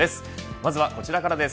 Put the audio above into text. まずはこちらからです。